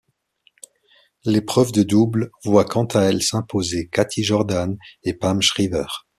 L'épreuve de double voit quant à elle s'imposer Kathy Jordan et Pam Shriver.